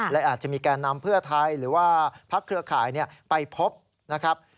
และอาจจะมีแก่นำเพื่อไทยหรือว่าพักเครือข่ายไปพบนะครับ